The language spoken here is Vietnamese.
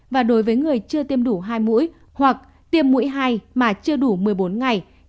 và đối với người chưa tiêm đủ hai mũi hoặc tiêm mũi hai mà chưa đủ một mươi bốn ngày